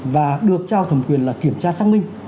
và được trao thẩm quyền là kiểm tra xác minh